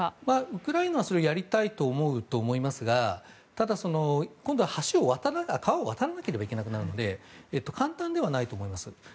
ウクライナはそれを、やりたいと思うと思いますが今度は川を渡らないといけなくなるので簡単ではないと思います。